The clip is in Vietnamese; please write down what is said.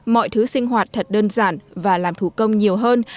mọi thứ sinh hoạt thật đơn giản và làm thủ công nhiều hơn